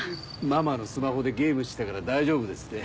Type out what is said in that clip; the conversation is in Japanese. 「ママのスマホでゲームしてたから大丈夫」ですって。